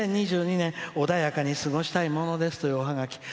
２０２２年穏やかに過ごしたいものです」というおハガキ。